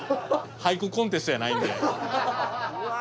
俳句コンテストやないんで。